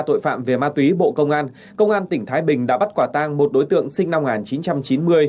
tội phạm về ma túy bộ công an công an tỉnh thái bình đã bắt quả tang một đối tượng sinh năm một nghìn chín trăm chín mươi